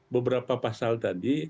beberapa pasal tadi